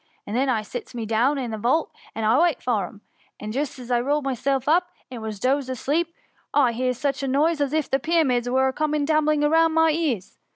And then I sits me down i' the vault, to wait for 'em, and I'd just rolled myself up, and was dozed asleep, when I hears such a noise as if the Pyramids were all coming tumbling about my ears.